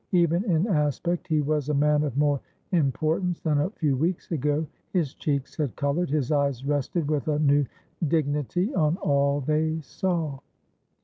Even in aspect he was a man of more importance than a few weeks ago; his cheeks had coloured, his eyes rested with a new dignity on all they saw.